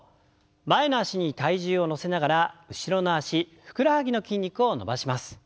前の脚に体重を乗せながら後ろの脚ふくらはぎの筋肉を伸ばします。